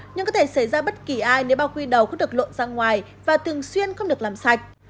nhưng có thể xảy ra bất kỳ ai nếu bao quý đầu có được lộn ra ngoài và thường xuyên không được làm sạch